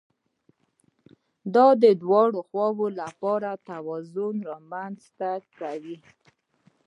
دا د دواړو خواوو لپاره توازن رامنځته کوي